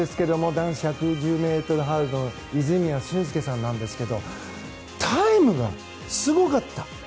男子１１０ｍハードル泉谷駿介さんなんですけどタイムがすごかった！